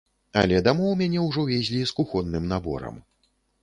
Але дамоў мяне ўжо везлі з кухонным наборам.